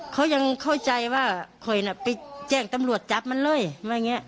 เขายังเข้าใจว่าเคยนะไปแจ้งตำรวจจับมันเลย